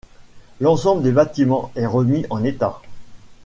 L'ensemble des bâtiments est remis en état.